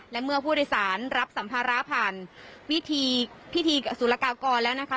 และเมื่อผู้โดยสารรับสัมภาระผ่านวิธีพิธีสุรกากรแล้วนะคะ